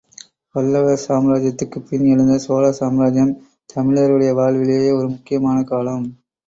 பல்லவ சாம்ராஜ்யத்துக்குப் பின் எழுந்த சோழ சாம்ராஜ்யம் தமிழருடைய வாழ்விலேயே ஒரு முக்கியமான காலம்.